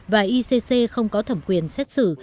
và icc không có thẩm quyền xét xử